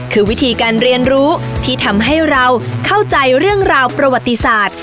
คือวิธีการเรียนรู้ที่ทำให้เราเข้าใจเรื่องราวประวัติศาสตร์